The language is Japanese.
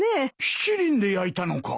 七輪で焼いたのか？